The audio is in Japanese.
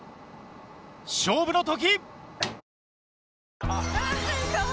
勝負の時！